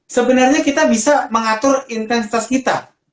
sebenarnya kita bisa mengatur intensitas kita